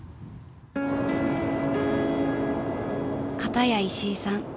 ［片や石井さん